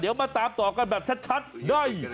เดี๋ยวมาตามต่อกันแบบชัดได้